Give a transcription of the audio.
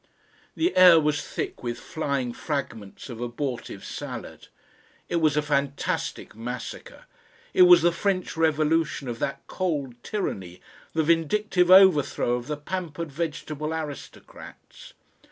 The air was thick with flying fragments of abortive salad. It was a fantastic massacre. It was the French Revolution of that cold tyranny, the vindictive overthrow of the pampered vegetable aristocrats.